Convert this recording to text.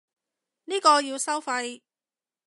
呢個要收費